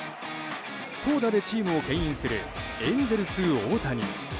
投打でチームを牽引するエンゼルス、大谷。